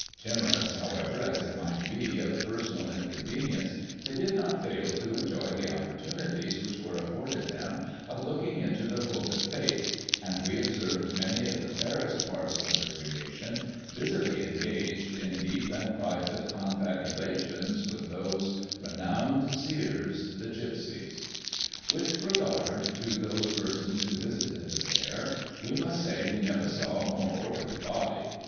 Timorous, however, as they might be, of personal inconvenience, they did not fail to enjoy the opportunities which were afforded them of looking into the book of fate ; and we observed many of the fairest parts of the creation busily engaged in deep and private confabulations with those renowned seers, the gypsies. "With regard to those persons who visited the fair, we must say we never saw a more orderly body.